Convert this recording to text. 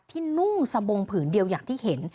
นุ่งสะบงผืนเดียวอย่างที่เห็น